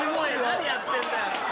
・何やってんだよ！